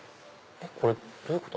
これどういうこと？